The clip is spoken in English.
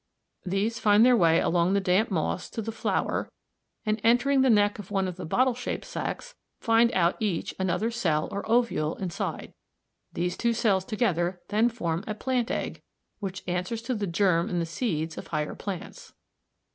These find their way along the damp moss to the flower P, and entering the neck of one of the bottle shaped sacs bs, find out each another cell or ovule inside. The two cells together then form a plant egg, which answers to the germ in the seeds of higher plants.